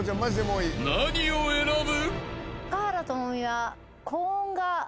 ［何を選ぶ？］